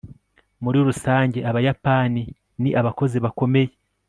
muri rusange, abayapani ni abakozi bakomeye